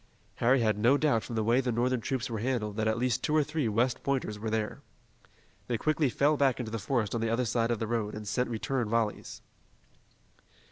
Harry had no doubt from the way the Northern troops were handled that at least two or three West Pointers were there. They quickly fell back into the forest on the other side of the road, and sent return volleys.